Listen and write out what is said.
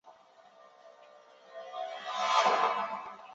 卒谥文敏。